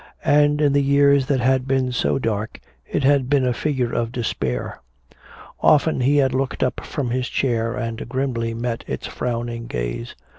And in the years that had been so dark, it had been a figure of despair. Often he had looked up from his chair and grimly met its frowning gaze.